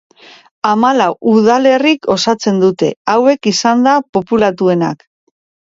Hamalau udalerrik osatzen dute, hauek izanda populatuenak.